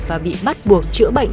và bị bắt buộc chữa bệnh